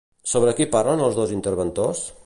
Sobre qui parlen els dos interventors?